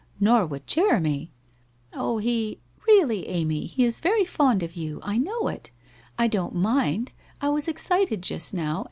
Xor would Jeremy/ ' Oh, he '' Really, Amy, he IS very fond of you. I know it. I don't mind. I was excited just now.